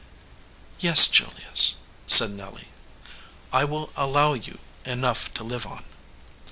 "Yes, Julius," said Nelly. "I will allow you enough to live on."